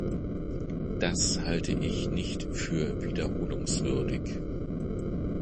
Das halte ich nicht für wiederholungswürdig.